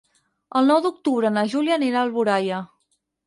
El nou d'octubre na Júlia anirà a Alboraia.